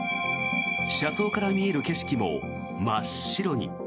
車窓から見える景色も真っ白に。